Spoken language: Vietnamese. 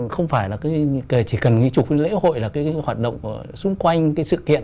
không phải là chỉ cần chụp lễ hội là hoạt động xung quanh sự kiện